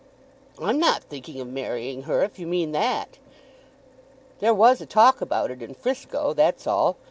"I'm not thinking of marrying her, if you mean that." "There was a talk about it in Frisco; that's all.